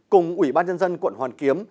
cùng ủy ban nhân dân quận hoàn kiếm